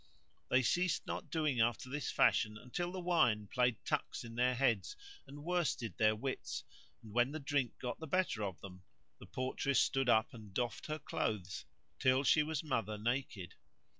They ceased not doing after this fashion until the wine played tricks in their heads and worsted their wits; and, when the drink got the better of them, the portress stood up and doffed her clothes till she was mother naked.